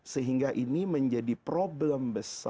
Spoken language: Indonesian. sehingga ini menjadi problem